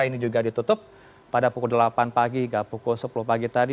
ini juga ditutup pada pukul delapan pagi hingga pukul sepuluh pagi tadi